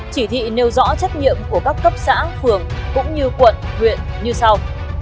chỉ thị nêu rõ trách nhiệm của các cấp xã phường cũng như quận huyện như sau